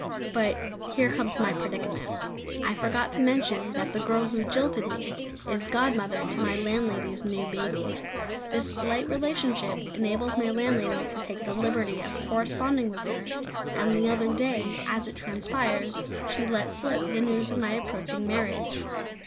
But here comes my predicament. I forgot to mention that the girl who jilted me is godmother to my landlady's new baby. This slight relationship enables my landlady to take the liberty of corresponding with her; and the other day, as it transpires, she let slip the news of my approaching marriage.